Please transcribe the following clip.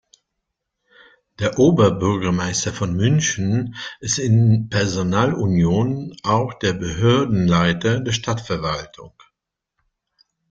Der Oberbürgermeister von München ist in Personalunion auch der Behördenleiter der Stadtverwaltung.